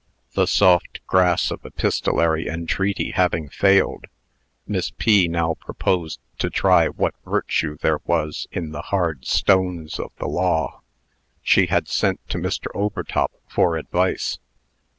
The soft grass of epistolary entreaty having failed, Miss P. now proposed to try what virtue there was in the hard stones of the law. She had sent to Mr. Overtop for advice.